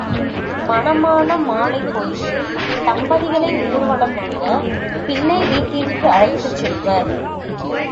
மணமான மாலைப்பொழுதில் தம்பதிகளை ஊர்வலமாகப் பிள்ளை வீட்டிற்கு அழைத்துச் செல்வர்.